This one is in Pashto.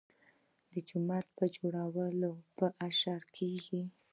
د جومات جوړول په اشر کیږي.